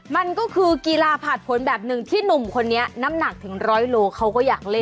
มันก็คือกีฬาผ่านผลแบบหนึ่งที่หนุ่มคนนี้น้ำหนักถึงร้อยโลเขาก็อยากเล่น